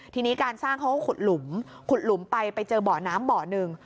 ทีนี้การสร้างเขาก็ขุดหลุมขุดหลุมไปไปเจอบ่อน้ำบ่อหนึ่ง